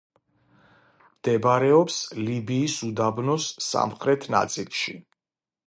მდებარეობს ლიბიის უდაბნოს სამხრეთ ნაწილში.